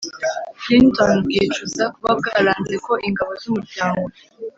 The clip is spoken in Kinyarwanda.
clinton bwicuza kuba bwaranze ko ingabo z'umuryango